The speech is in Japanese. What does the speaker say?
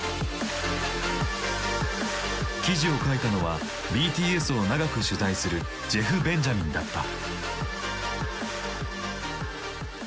記事を書いたのはＢＴＳを長く取材するジェフ・ベンジャミンだった。